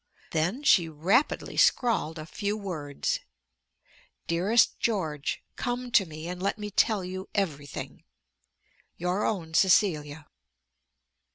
Then she rapidly scrawled a few words: DEAREST GEORGE, Come to me and let me tell you everything. Your own CECILIA.